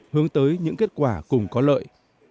hướng tới những kết quả cùng có lợi